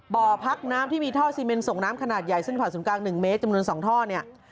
บ่อพักน้ำที่มีท่อซีเมนส่งน้ำขนาดใหญ่เส้นผ่านศูนย์กลาง๑เมตรจำนวน๒ท่อเนี่ย